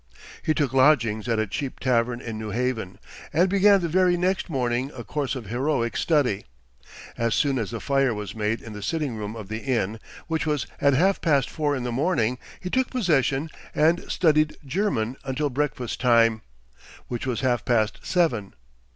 He took lodgings at a cheap tavern in New Haven, and began the very next morning a course of heroic study. As soon as the fire was made in the sitting room of the inn, which was at half past four in the morning, he took possession, and studied German until breakfast time, which was half past seven.